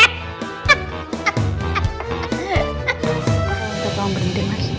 kita tolong berhenti mas